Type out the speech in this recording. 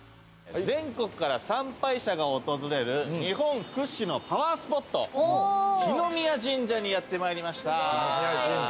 全国から参拝者が訪れる日本屈指のパワースポット、來宮神社にやって参りました。